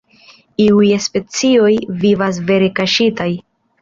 Iuj specioj vivas vere kaŝitaj.